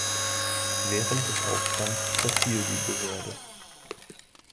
Während des Aufstands zerfiel die Behörde.